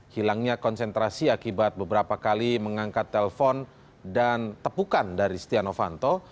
hilangnya konsentrasi akibat beberapa kali mengangkat telpon dan tepukan dari setia novanto